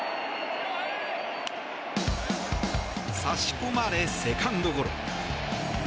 差し込まれ、セカンドゴロ。